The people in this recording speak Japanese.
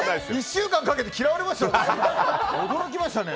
１週間かけて嫌われましたよ。